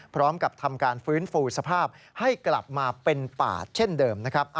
พร้อมกับทำการฟื้นฟูสภาพให้กลับมาเป็นป่าเช่นเดิมนะครับ